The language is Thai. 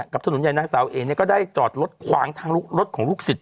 ถนนใหญ่นางสาวเอเนี่ยก็ได้จอดรถขวางทางรถของลูกศิษย